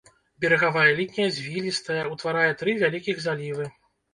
Берагавая лінія звілістая, утварае тры вялікіх залівы.